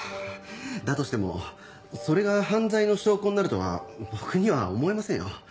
だとしてもそれが犯罪の証拠になるとは僕には思えませんよ。